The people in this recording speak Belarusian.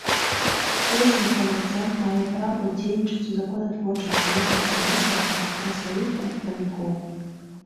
Кожны грамадзян мае права ўдзельнічаць у законатворчасці як асабіста, так і праз сваіх прадстаўнікоў.